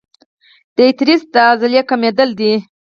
د ایټریسي د عضلې کمېدل دي.